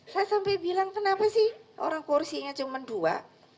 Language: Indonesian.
saya sampai bilang kenapa sih orang kursinya cuma dua